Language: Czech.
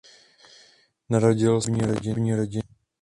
Narodil se do hudební rodiny.